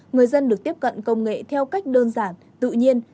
người dân được tiếp cận công nghệ theo cách đơn giản tự nhiên